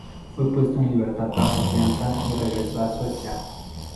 Fue puesto en libertad bajo fianza y regresó a Suecia.